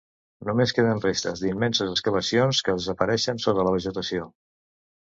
Només queden restes d'immenses excavacions que desapareixen sota la vegetació.